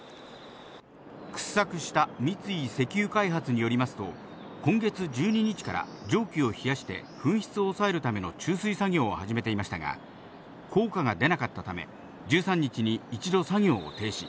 掘削した三井石油開発によりますと、今月１２日から蒸気を冷やして噴出を抑えるための注水作業を始めていましたが、効果が出なかったため、１３日に一度作業を停止。